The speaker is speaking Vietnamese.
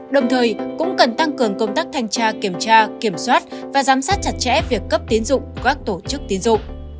đồng thời cũng cần tăng cường công tác thanh tra kiểm tra kiểm soát và giám sát chặt chẽ việc cấp tiến dụng của các tổ chức tiến dụng